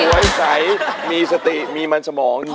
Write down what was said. สวยใสมีสติมีมันสมอง